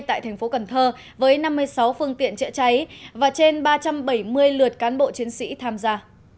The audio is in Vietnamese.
tại tp cn với năm mươi sáu phương tiện chữa cháy và trên ba trăm bảy mươi lượt cán bộ chiến sĩ tham gia